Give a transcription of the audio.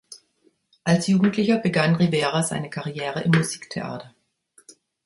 Als Jugendlicher begann Rivera seine Karriere im Musiktheater.